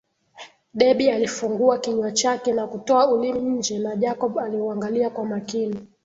Debby alifungua kinywa chake na kutoa ulimi nje na Jacob aliuangalia kwa makini